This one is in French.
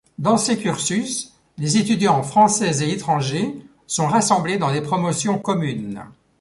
Dans ces cursus, les étudiants français et étrangers sont rassemblés dans des promotions communes.